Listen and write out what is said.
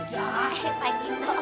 misalnya eh pak gino